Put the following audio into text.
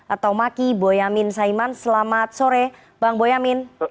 atau maki boyamin saiman selamat sore bang boyamin